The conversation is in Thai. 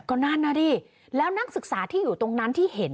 ก็นั่นน่ะดิแล้วนักศึกษาที่อยู่ตรงนั้นที่เห็น